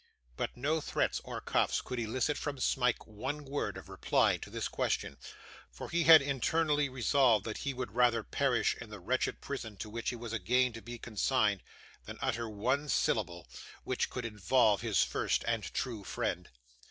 But no threats or cuffs could elicit from Smike one word of reply to this question; for he had internally resolved that he would rather perish in the wretched prison to which he was again about to be consigned, than utter one syllable which could involve his first and true friend.